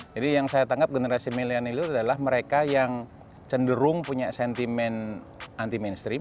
jadi yang saya tangkap generasi milenial itu adalah mereka yang cenderung punya sentimen anti mainstream